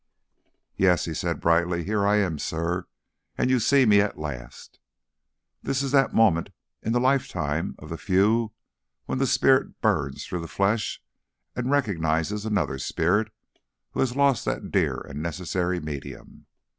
"Yes," he said brightly, "here I am, sir, and you see me at last. This is that one moment in the lifetime of the few when the spirit burns through the flesh and recognizes another spirit who has lost that dear and necessary medium.